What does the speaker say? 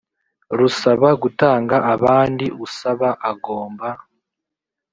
rusaba gutanga abandi usaba agomba